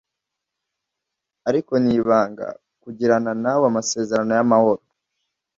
ariko nibanga kugirana nawe amasezerano y’amahoro,